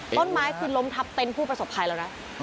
ต้นไม้คือล้มทับเต็นต์ผู้ประสบภัยแล้วนะ